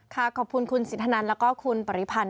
ค่าขอบคุณคุณศิษฐนรรย์และคุณปริภรรณ